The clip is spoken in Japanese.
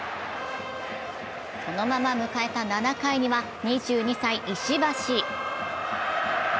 そのまま迎えた７回には２２歳・石橋。